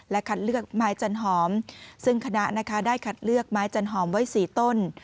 คัดเลือกไม้จันหอมซึ่งคณะนะคะได้คัดเลือกไม้จันหอมไว้๔ต้น